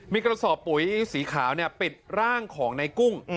มีกระสอบปุ๋ยสีขาวปิดร่างของในกุ้ง